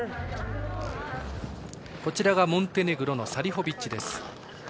こちらがモンテネグロのサリホビッチです。